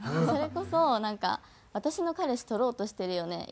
それこそなんか「私の彼氏取ろうとしてるよね？」